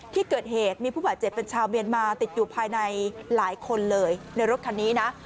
ที่เกิดเหตุมีผู้บาดเจ็บเป็นชาวเมียนมาติดอยู่ภายในหลายคนเลยในรถคันนี้นะ